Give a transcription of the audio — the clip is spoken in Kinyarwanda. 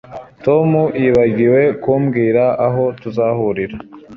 Tom yibagiwe kumbwira aho tuzahurira